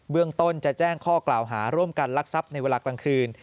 เรื่องต้นจะแจ้งข้อกล่าวหาร่วมกันลักทรัพย์ในเวลากลางคืน